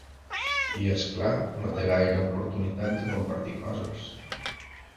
I, és clar, no té gaire oportunitat de compartir coses.